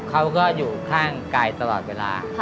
เขาก็อยู่ข้างกายตลอดเวลา